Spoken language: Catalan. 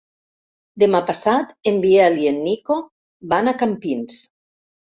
Demà passat en Biel i en Nico van a Campins.